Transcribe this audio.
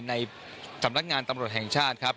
ในสำนักงานตำรวจแห่งชาติครับ